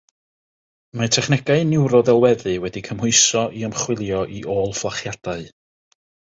Mae technegau niwroddelweddu wedi'u cymhwyso i ymchwilio i ôl-fflachiadau.